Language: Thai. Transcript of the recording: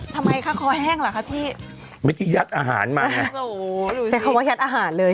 ทำไมคะคอแห้งเหรอคะพี่เมื่อกี้ยัดอาหารมาโอ้โหใช้คำว่ายัดอาหารเลย